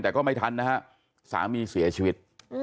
แต่ก็ไม่ทันนะฮะสามีเสียชีวิต